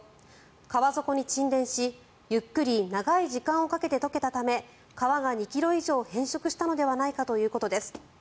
川底に沈殿しゆっくり長い時間をかけて溶けたため川が２ｋｍ以上変色したのではないかということです。